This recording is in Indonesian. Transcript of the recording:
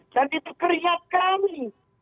dan itu keringat kami